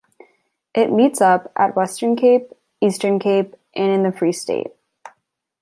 It meets up at Western Cape, Eastern Cape and in the Free State.